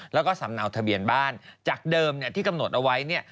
และสำเนาทะเบียนบ้านจากเดิมที่กำหนดเอาไว้